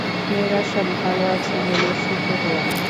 মেয়েরা সব ভাল আছে জেনে সুখী হলাম।